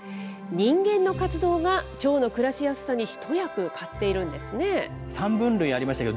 人間の活動がチョウの暮らしやすさに一役買っているんですね。